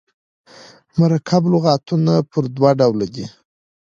مرکب لغاتونه پر دوه ډوله دي.